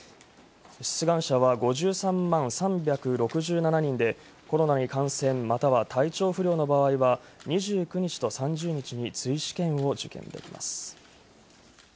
出願者は５３万３６７人で、コロナに感染または体調不良の場合は、２９日と３０日に追試験を受験できます